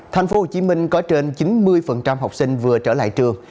thành phố hồ chí minh có trên chín mươi học sinh vừa trở lại trường